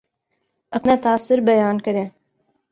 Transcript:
اپنا تاثر بیان کریں